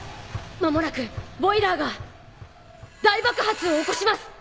間もなくボイラーが大爆発を起こします！